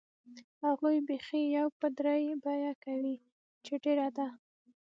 هغوی بیخي یو په درې بیه کوي چې ډېره ده.